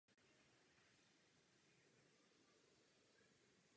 Můj závěr je proto jasný.